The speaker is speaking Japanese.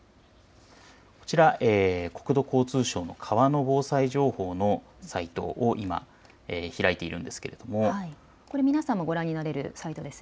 こちら国土交通省川の防災情報のサイトを今、開いているんですけれど皆さんもご覧になれるサイトです。